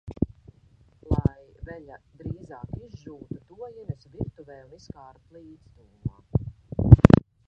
Lai veļa drīzāk izžūtu, to ienesa virtuvē un izkāra plīts tuvumā.